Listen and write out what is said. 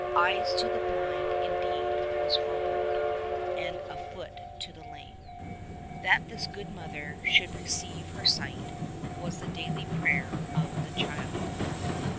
Eyes to the blind indeed was Frobert, and a foot to the lame. That this good mother should receive her sight was the daily prayer of the child.